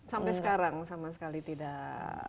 sampai sekarang sama sekali tidak